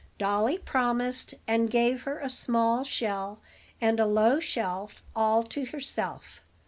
Dolly promised, and gave her a small shell and a low shelf all to herself.